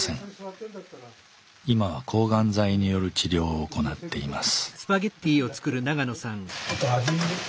今は抗がん剤による治療を行っています。